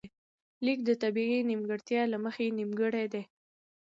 ليک د طبیعي نیمګړتیا له مخې نیمګړی دی